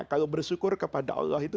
kalau bersyukur kepada allah itu